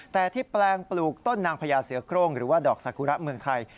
แต่ที่แปลงปลูกต้นนางพญาเสือโครงหรือว่าดอกสากุระเมืองไทย